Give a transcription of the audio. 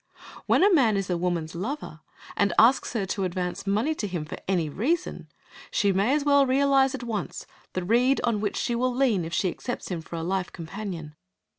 When a man is a woman's lover, and asks her to advance money to him for any reason, she may as well realize at once the reed on which she will lean if she accepts him for a life companion.